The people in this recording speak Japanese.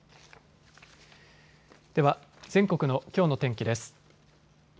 では全国のきょうの天気です。